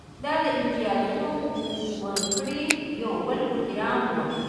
دا د امتیازونو ورکړې یو بل پروګرام و